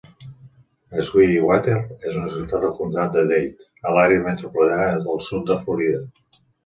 Sweetwater és una ciutat al comtat de Dade, a l'àrea metropolitana del sud de Florida.